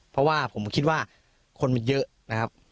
เพราะว่าผมคิดว่าคนมันเยอะนะครับ